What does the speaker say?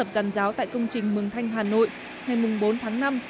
giàn giáo tại công trình mường thanh hà nội ngày bốn tháng năm